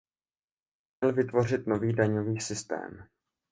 Měl vytvořit nový daňový systém.